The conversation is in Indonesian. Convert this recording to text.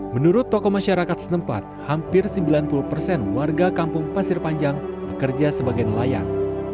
menurut tokoh masyarakat setempat hampir sembilan puluh persen warga kampung pasir panjang bekerja sebagai nelayan